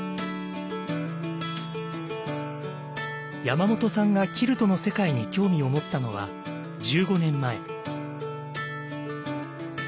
山本さんがキルトの世界に興味を持ったのは１５年前。